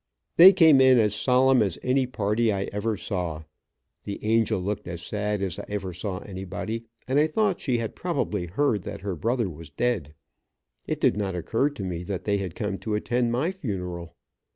They came in as solemn as any party I ever saw. The angel looked as sad as I ever saw anybody, and I thought she had probably heard that her brother was dead. It did not occur to me that they had come to attend my funeral.